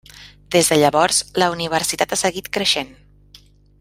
Des de llavors, la universitat ha seguit creixent.